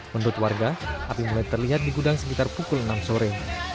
menurut warga api mulai terlihat di gudang sekitar pukul enam sore